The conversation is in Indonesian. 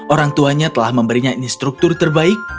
orang tuanya telah memberinya instruktur terbaik